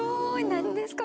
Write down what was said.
何ですか？